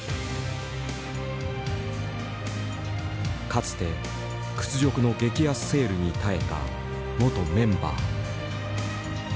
かつて屈辱の激安セールに耐えた元メンバー。